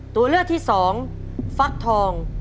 ตัวเลือกที่สองฟักทอง